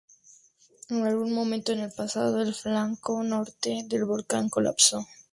En algún momento en el pasado, el flanco norte del volcán colapsó.